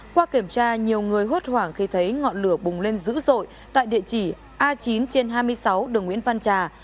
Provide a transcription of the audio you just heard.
qua kiểm tra nhiều người hốt hoảng khi thấy ngọn lửa bùng lên dữ dội tại địa chỉ a chín trên hai mươi sáu đường nguyễn văn trà